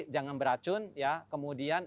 jangan beracun ya kemudian